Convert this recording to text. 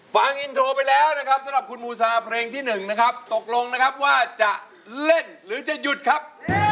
ฟังอินโทรไปแล้วนะครับสำหรับคุณมูซาเพลงที่๑นะครับตกลงนะครับว่าจะเล่นหรือจะหยุดครับ